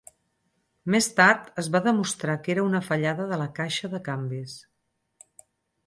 Més tard es va demostrar que era una fallada de la caixa de canvis.